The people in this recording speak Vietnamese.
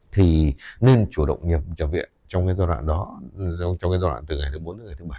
thì nên chủ động nhập trở viện trong cái giai đoạn đó trong cái giai đoạn từ ngày thứ bốn đến ngày thứ bảy